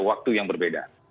waktu yang berbeda